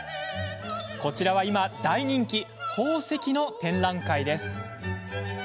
こちらは今、大人気宝石の展覧会です。